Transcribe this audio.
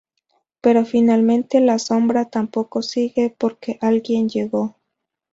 Pero finalmente la sombra tampoco sigue, "porque alguien llegó".